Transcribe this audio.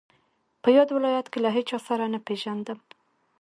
په یاد ولایت کې له هیچا سره نه پېژندم.